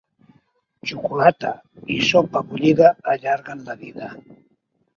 Xocolata i sopa bullida allarguen la vida.